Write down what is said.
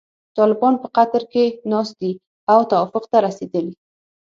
طالبان په قطر کې ناست دي او توافق ته رسیدلي.